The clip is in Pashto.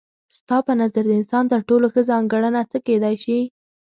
ستا په نظر د انسان تر ټولو ښه ځانګړنه څه کيدای شي؟